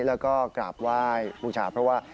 แล้วก็กลับไหว้บุกฉาบเพราะว่า